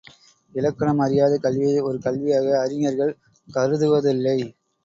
இலக்கணம் அறியாத கல்வியை ஒரு கல்வியாக அறிஞர்கள் கருதுவதில்லை.